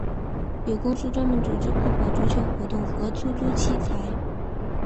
有公司专门组织泡泡足球活动和出租器材。